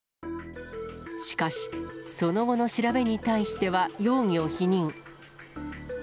しかし、その後の調べに対しては容疑を否認。